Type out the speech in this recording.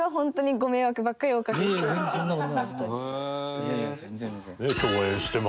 いやいや全然全然。